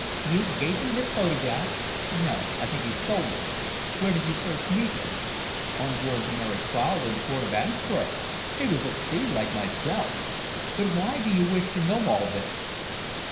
"You gave him this photograph?" "No, I think he stole it." "Where did you first meet him?" "On board the Mary Crowle in the port of Antwerp. He was at sea, like myself. But why do you wish to know all this?"